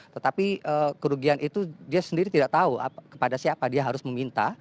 tetapi kerugian itu dia sendiri tidak tahu kepada siapa dia harus meminta